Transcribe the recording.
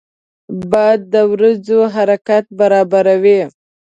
باد د وریځو حرکت برابروي